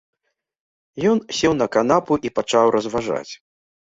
Ён сеў на канапу і пачаў разважаць.